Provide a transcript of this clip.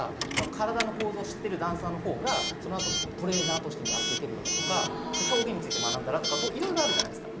体の構造を知ってるダンサーの方がその後、トレーナーとしてもやっていけるよねとか、表現について学んだらとか、いろいろあるじゃないですか。